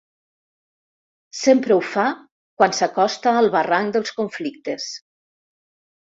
Sempre ho fa quan s'acosta al barranc dels conflictes.